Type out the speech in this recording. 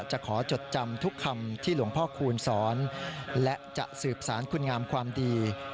จะขอจดจำทุกคำที่หลวงพ่อคูณสอนและจะสืบสารคุณงามความดี